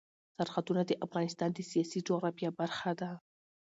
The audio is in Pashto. سرحدونه د افغانستان د سیاسي جغرافیه برخه ده.